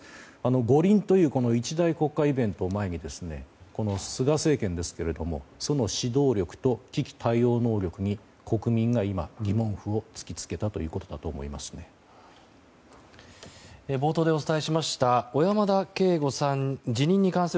五輪というこの一大国家イベントを前に菅政権ですけれどもその指導力と危機対応能力に国民が今、疑問符を突き付けたということだと思います。